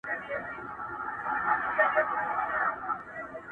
د پنیر ټوټه ترې ولوېده له پاسه٫